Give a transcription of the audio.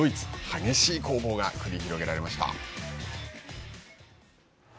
激しい攻防が繰り広げられました。